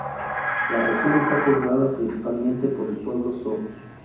La región está poblada principalmente por el pueblo Zo.